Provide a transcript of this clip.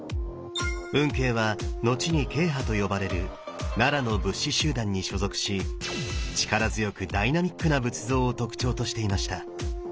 運慶は後に慶派と呼ばれる奈良の仏師集団に所属し力強くダイミナックな仏像を特徴としていました。